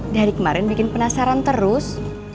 dari kemarin bikin penasaran terus